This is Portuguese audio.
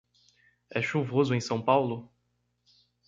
É chuvoso em São Paulo?